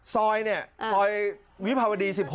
ซอยเวิร์ดรัฐวิภาวดีที่๑๖